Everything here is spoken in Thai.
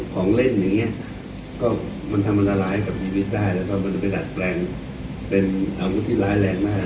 ของเล่นอย่างนี้ก็มันทำอันตรายกับชีวิตได้แล้วก็มันไปดัดแปลงเป็นอาวุธที่ร้ายแรงมาก